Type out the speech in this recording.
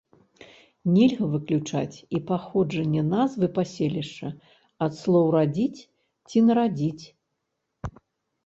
Нельга выключаць і паходжанне назвы паселішча ад слоў радзіць ці нарадзіць.